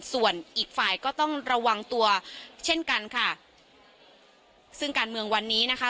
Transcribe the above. ส่วนอีกฝ่ายก็ต้องระวังตัวเช่นกันค่ะซึ่งการเมืองวันนี้นะคะ